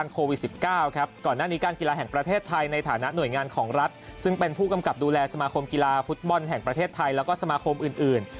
ฟุตบอลแห่งประเทศไทยแล้วก็สมาคมอื่น